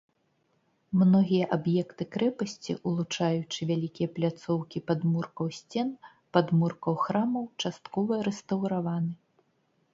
Многія аб'екты крэпасці, улучаючы вялікія пляцоўкі падмуркаў сцен, падмуркаў храмаў часткова рэстаўраваны.